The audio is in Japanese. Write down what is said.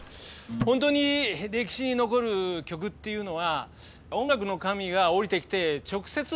本当に歴史に残る曲っていうのは音楽の神が降りてきて直接授ける。